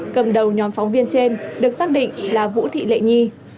cầm đầu nhóm phóng viên trên được xác định là vũ thị lệ nhi